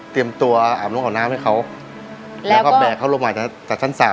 เช้ามาจากชั้น๓